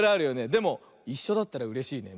でもいっしょだったらうれしいね。